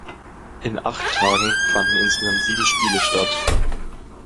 In acht Tagen fanden insgesamt sieben Spiele statt.